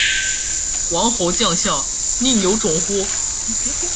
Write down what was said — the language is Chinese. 王侯将相，宁有种乎